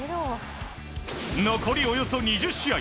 残りおよそ２０試合。